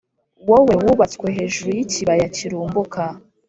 wowe wubatswe hejuru y’ikibaya kirumbuka,